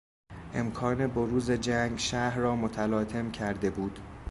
امکان بروز جنگ شهر را متلاطم کرده بود.